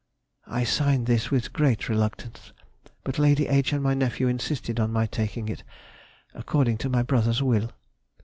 I signed this with great reluctance ... but Lady H. and my nephew insisted on my taking it, according to my brother's will.